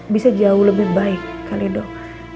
bisa jauh lebih baik kali dok